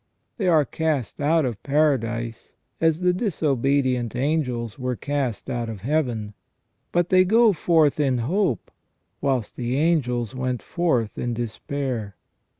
They are cast out of paradise, as the disobedient angels were cast out of Heaven ; but they go forth in hope, whilst the angels went forth in despair.